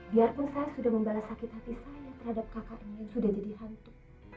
biarpun saya sudah membalas sakit hati saya terhadap kakaknya yang sudah jadi hantu